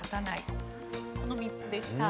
この３つでした。